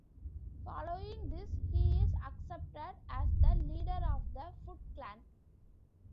Following this, he is accepted as the leader of the Foot Clan.